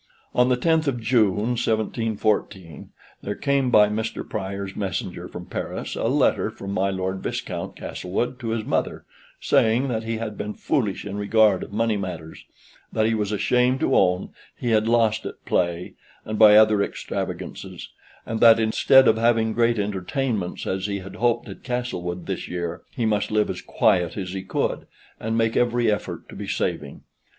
On the 10th of June, 1714, there came by Mr. Prior's messenger from Paris a letter from my Lord Viscount Castlewood to his mother, saying that he had been foolish in regard of money matters, that he was ashamed to own he had lost at play, and by other extravagances; and that instead of having great entertainments as he had hoped at Castlewood this year, he must live as quiet as he could, and make every effort to be saving.